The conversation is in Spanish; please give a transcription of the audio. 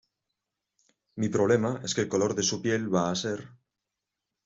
mi problema es que el color de su piel va a ser